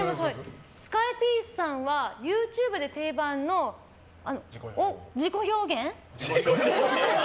スカイピースさんはＹｏｕＴｕｂｅで定番のみんなやってる。